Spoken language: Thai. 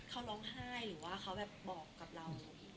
เขาร้องไห้หรือว่าเขาแบบบอกกับเรา